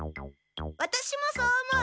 ワタシもそう思う。